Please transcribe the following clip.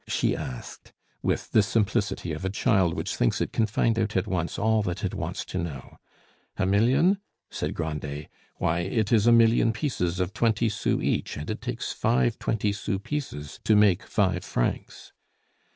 she asked, with the simplicity of a child which thinks it can find out at once all that it wants to know. "A million?" said Grandet, "why, it is a million pieces of twenty sous each, and it takes five twenty sous pieces to make five francs."